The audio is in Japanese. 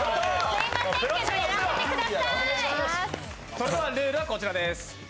それではルールはこちらです。